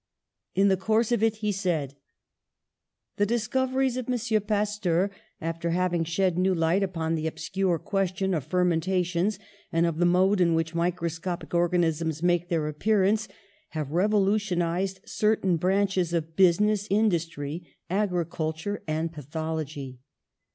In the course of it he said : "The discoveries of M. Pasteur, after having shed new light upon the obscure question of fermentations and of the mode in which micro scopic organisms make their appearance, have revolutionised certain branches of business in dustry, agriculture and pathology.